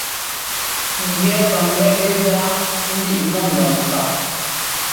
Njʉɛ́ paŋgɛ́ ɛ́ zá mbiʼ mɔ ŋgan faʼ.